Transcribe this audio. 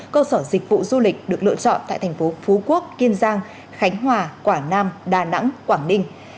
cơ sở dịch vụ du lịch được lựa chọn tại thành phố phú quốc kiên giang khánh hòa quảng nam đà nẵng quảng ninh